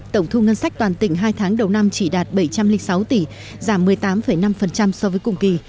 tổng thu ngân sách toàn tỉnh hai tháng đầu năm chỉ đạt bảy trăm linh sáu tỷ giảm một mươi tám năm so với cùng kỳ